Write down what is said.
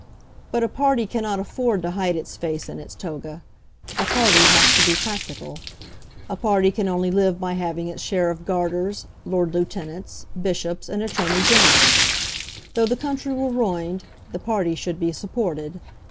But a party cannot afford to hide its face in its toga. A party has to be practical. A party can only live by having its share of Garters, lord lieutenants, bishops, and attorney generals. Though the country were ruined, the party should be supported.